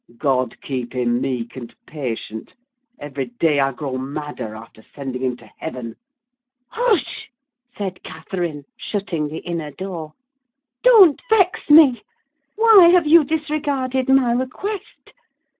"God keep him meek and patient! Every day I grow madder after sending him to heaven!" "Hush!" said Catherine, shutting the inner door. "Don't vex me. Why have you disregarded my request?